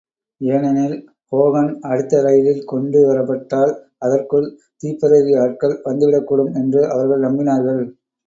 ஏனெனில் ஹோகன் அடுத்த ரயிலில் கொண்டு வரப்பட்டால், அதற்குள் திப்பெரரி ஆட்கள் வந்துவிடக்கூடும் என்று அவர்கள் நம்பினார்கள்.